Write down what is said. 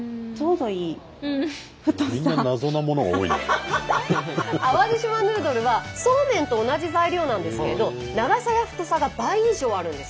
どるはそうめんと同じ材料なんですけど長さや太さが倍以上あるんです。